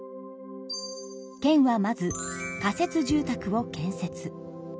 県はまず仮設住宅を建設。